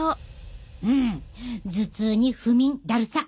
頭痛に不眠だるさ。